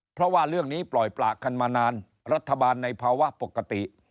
เพราะว่าเรื่องนี้ปล่อยประกันมานานรัฐบาลในภาวะปกติ